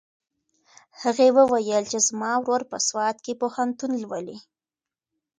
هغې وویل چې زما ورور په سوات کې پوهنتون لولي.